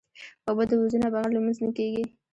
اوبه د وضو نه بغیر لمونځ نه کېږي.